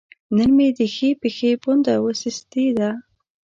نن مې د ښۍ پښې پونده وسستې ده